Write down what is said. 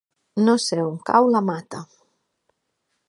No sé on cau la Mata.